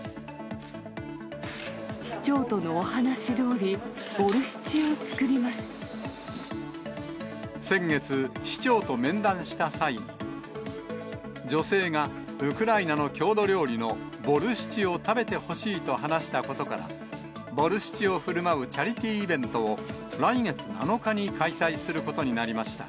市長とのお話しどおり、先月、市長と面談した際に、女性がウクライナの郷土料理のボルシチを食べてほしいと話したことから、ボルシチをふるまうチャリティーイベントを来月７日に開催することになりました。